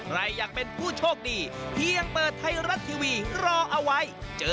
ใครอยากเป็นผู้โชคดีเพียงเปิดไทรัตว์ทีวีรอเอาไว้